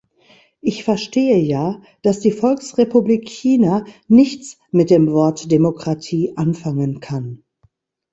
Ich verstehe ja, dass die Volksrepublik China nichts mit dem Wort Demokratie anfangen kann.